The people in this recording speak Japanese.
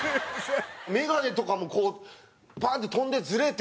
メガネとかもこうバーンって飛んでずれて。